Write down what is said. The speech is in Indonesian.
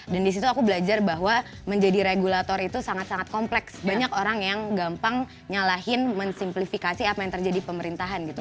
dan disitu aku belajar bahwa menjadi regulator itu sangat sangat kompleks banyak orang yang gampang nyalahin mensimplifikasi apa yang terjadi pemerintahan gitu